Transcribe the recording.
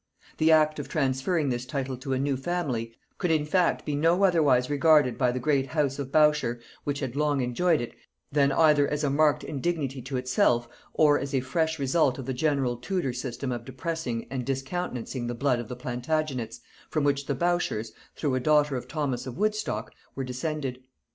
The act of transferring this title to a new family, could in fact be no otherwise regarded by the great house of Bourchier, which had long enjoyed it, than either as a marked indignity to itself, or as a fresh result of the general Tudor system of depressing and discountenancing the blood of the Plantagenets, from which the Bourchiers, through a daughter of Thomas of Woodstock, were descended.